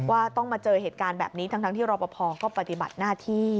ว่าต้องมาเจอเหตุการณ์แบบนี้ทั้งที่รอปภก็ปฏิบัติหน้าที่